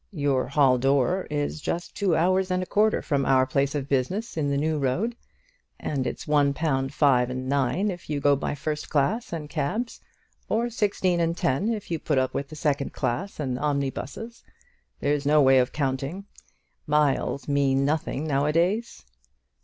Your hall door is just two hours and a quarter from our place of business in the New Road; and it's one pound five and nine if you go by first class and cabs, or sixteen and ten if you put up with second class and omnibuses. There's no other way of counting. Miles mean nothing now a days."